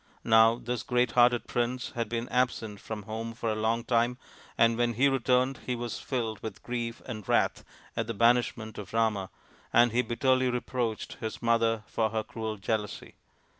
Now this great hearted prince had been absent from home for a long time, and when he returned he was filled with grief and wrath at the banishment of Rama, and he bitterly reproached his mother for her cruel jealousy.